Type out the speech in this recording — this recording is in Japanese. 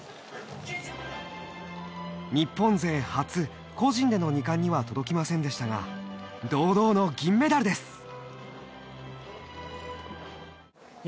日本勢初、個人での２冠には届きませんでしたが堂々の銀メダルです！